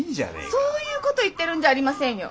そういうこと言ってるんじゃありませんよ。